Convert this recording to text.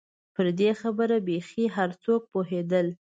پر دې خبره بېخي هر څوک پوهېدل.